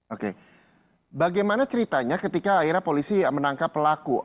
oke bagaimana ceritanya ketika akhirnya polisi menangkap pelaku